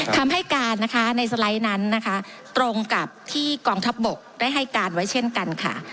คำให้การนะคะในสไลด์นั้นนะคะตรงกับที่กองทัพบกได้ให้การไว้เช่นกันค่ะ